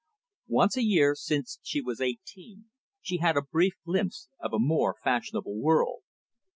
Once a year, since she was eighteen, she had a brief glimpse of a more fashionable world.